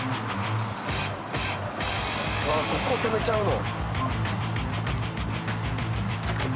ここを止めちゃうの？